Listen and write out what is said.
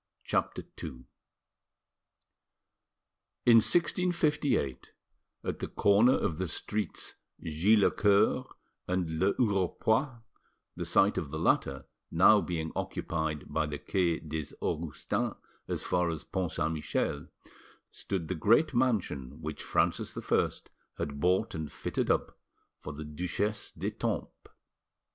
CHAPTER II In 1658, at the corner of the streets Git le Coeur and Le Hurepoix (the site of the latter being now occupied by the Quai des Augustins as far as Pont Saint Michel), stood the great mansion which Francis I had bought and fitted up for the Duchesse d'Etampes.